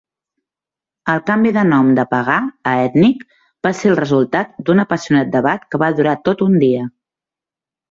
El canvi de nom de "pagà" a "ètnic" va ser el resultat d'un apassionat debat que va durar tot un dia.